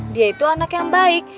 dia itu anak yang baik